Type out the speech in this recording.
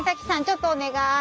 ちょっとお願い。